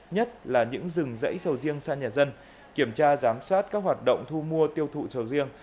nhất là những rừng rẫy sầu riêng xa nhà dân kiểm tra giám sát các hoạt động thu mua tiêu thụ sầu riêng